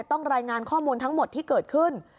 ต้องรายงานข้อมูลทั้งหมดที่เกิดขึ้น